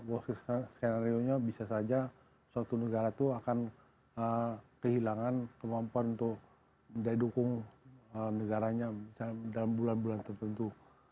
jadi saya lihat kalau worst case scenarionya bisa saja suatu negara itu akan kehilangan kemampuan untuk mendukung negaranya dalam bulan bulan tertentu